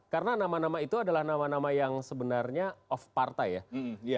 karena nama nama itu adalah nama nama yang sebenarnya off partai ya